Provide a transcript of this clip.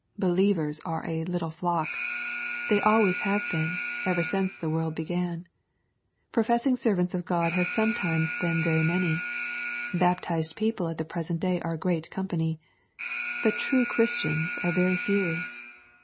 Believers are a "little flock/' They always have been, ever since the world began. Professing servants of God have sometimes been very many. Baptized people at the present day are a great company. But true Christians are very few.